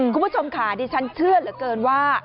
คุณผู้ชมค่ะดิฉันเชื่อเหลือเกินว่า